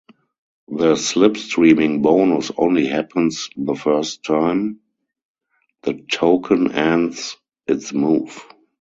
The slipstreaming bonus only happens the first time the token ends its move.